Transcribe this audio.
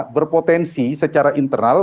berpotensi secara internal